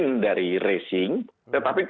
ada di jakarta